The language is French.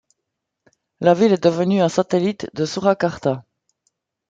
La ville est devenue un satellite de Surakarta.